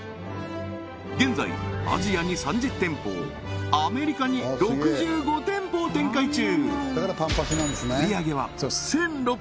現在アジアに３０店舗をアメリカに６５店舗を展開中